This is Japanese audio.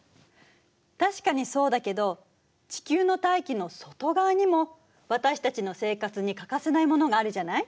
確かにそうだけど地球の大気の外側にも私たちの生活に欠かせないものがあるじゃない。